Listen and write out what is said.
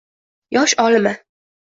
Yosh olima